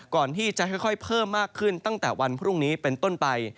ก่อนที่จะค่อยเพิ่มมากขึ้นตั้งแต่วันพรุ่งนี้เป็นต้นไป